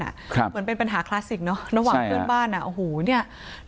เหมือนเป็นปัญหาคลาสสิกเนอะระหว่างเพื่อนบ้าน